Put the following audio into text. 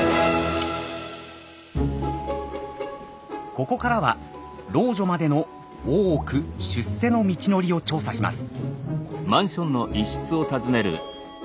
ここからは老女までの大奥出世の道のりを調査します。